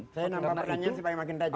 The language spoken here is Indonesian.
saya nampak pertanyaan si pak emangin tadi